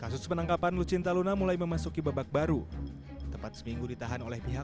kasus penangkapan lucinta luna mulai memasuki babak baru tepat seminggu ditahan oleh pihak